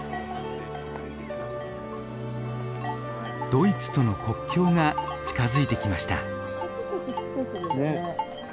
ドイツとの国境が近づいてきました。